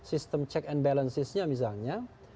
sistem check and balances nya misalnya